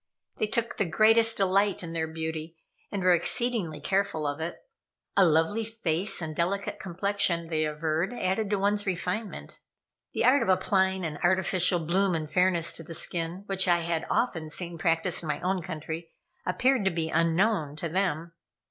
They took the greatest delight in their beauty, and were exceedingly careful of it. A lovely face and delicate complexion, they averred, added to one's refinement. The art of applying an artificial bloom and fairness to the skin, which I had often seen practiced in my own country, appeared to be unknown to them.